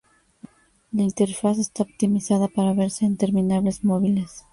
La interfaz está optimizada para verse en terminales móviles.